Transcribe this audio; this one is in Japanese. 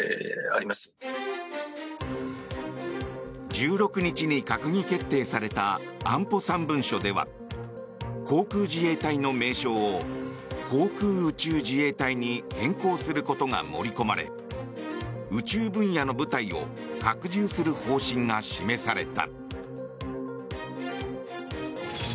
１６日に閣議決定された安保３文書では航空自衛隊の名称を航空宇宙自衛隊に変更することが盛り込まれ宇宙分野の部隊を拡充する方針が示された。